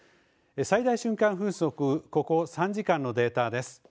最大瞬間風速、ここ３時間のデータです。